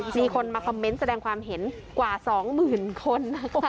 มีคนมาคอมเมนต์แสดงความเห็นกว่า๒๐๐๐คน